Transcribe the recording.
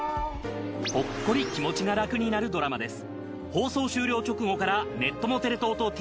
ほっこり気持ちが楽になるドラマです。